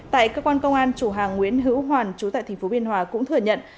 tại cơ quan công an chủ hàng nguyễn hữu hoàn chú tại tp biên hòa cũng thừa nhận